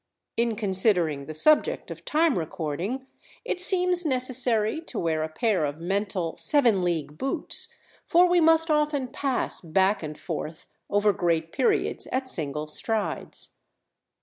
In considering the subject of time recording, it seems necessary to wear a pair of mental seven league boots, for we must often pass back and forth over great periods at single strides.